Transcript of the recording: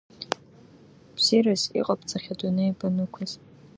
Бзерас иҟабҵахьеи адунеи банықәыз?